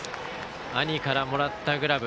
兄からもらったグラブ。